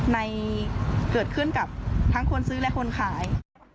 เกิดขึ้นกับทั้งคนซื้อและคนขาย